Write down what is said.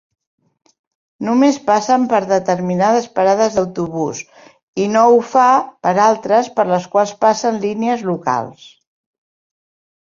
Només passen per determinades parades d'autobús i no ha fa per altres per les quals passen línies locals.